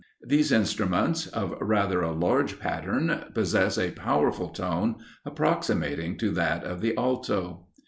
These instruments, of rather a large pattern, possess a powerful tone, approximating to that of the Alto.